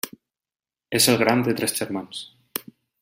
És el gran de tres germans: